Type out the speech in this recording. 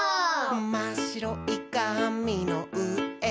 「まっしろいかみのうえをハイ！」